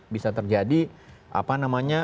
bisa terjadi apa namanya